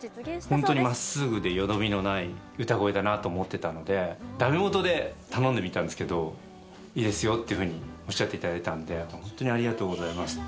本当にまっすぐでよどみのない歌声だなと思っていたので、だめもとで頼んでみたんですけど、いいですよっていうふうにおっしゃっていただいたんで、本当にありがとうございますって。